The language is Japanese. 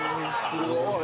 すごい！